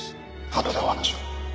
あとでお話を。